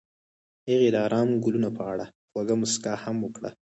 هغې د آرام ګلونه په اړه خوږه موسکا هم وکړه.